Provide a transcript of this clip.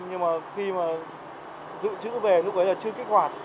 nhưng mà khi mà giữ chữ về lúc ấy là chưa kích hoạt